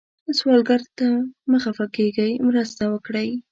سوالګر ته مه خفه کېږئ، مرسته وکړئ